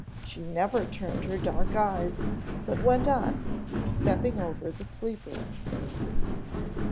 She never turned her dark eyes but went on, stepping over the sleepers.